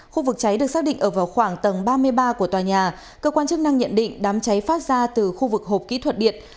khu vực cháy được xác định ở vào khoảng tầng ba mươi ba của tòa nhà cơ quan chức năng nhận định đám cháy phát ra từ khu vực hộp kỹ thuật điện